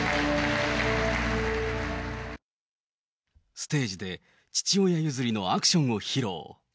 ステージで父親譲りのアクションを披露。